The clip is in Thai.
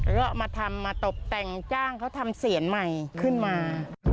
ก็มาทำมาตบแต่งจ้างเขาทำเสียนใหม่ขึ้นมา